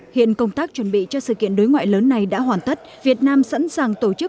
hiện công tác chuẩn bị cho sự kiện đối ngoại lớn này đã hoàn tất việt nam sẵn sàng tổ chức